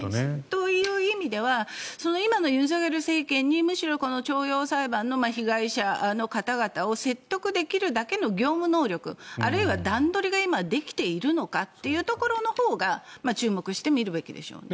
という意味では今の尹錫悦政権にむしろ徴用工裁判の被害者の方々を説得できるだけの業務能力あるいは段取りができるのかというところが注目して見るべきでしょうね。